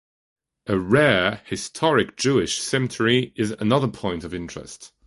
A rare historic Jewish cemetery is another point of interest.